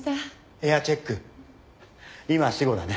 エアチェック今は死語だね。